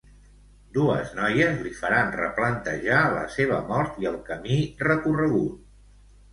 Dues noies li faran replantejar la seva mort i el camí recorregut.